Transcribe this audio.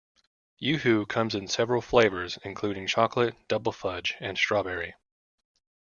Yoo-hoo comes in several flavors, including chocolate, double fudge, and strawberry.